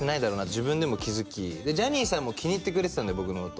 自分でも気づきでジャニーさんも気に入ってくれてたんで僕のこと